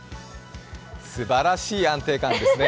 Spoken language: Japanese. すばらしい安定感ですね。